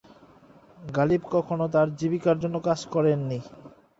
গালিব কখনো তার জীবিকার জন্য কাজ করেননি।